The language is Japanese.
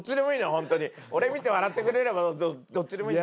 俺見て笑ってくれればどっちでもいいんですよ。